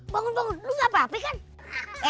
bangun dulu gak apa apa kan